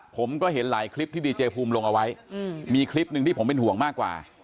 ผมก็เห็นหลายคลิปที่ดีเจภูมิลงเอาไว้มีคลิปหนึ่งที่ผมเป็นห่วงมากกว่า